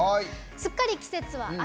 すっかり季節は秋。